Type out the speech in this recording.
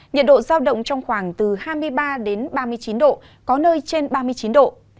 nhiệt độ giao động trong khoảng từ hai mươi ba đến ba mươi chín độ có nơi trên ba mươi chín độ